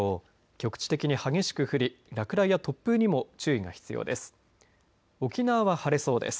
局地的に激しく降り落雷や突風にも注意が必要です。